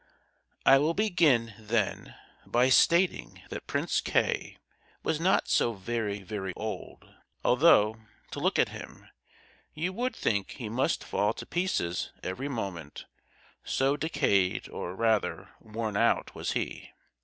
I will begin, then, by stating that Prince K—— was not so very, very old, although, to look at him, you would think he must fall to pieces every moment, so decayed, or rather, worn out was he.